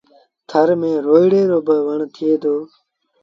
ٿر ميݩ روئيڙي رو با وڻ ٿئي دو۔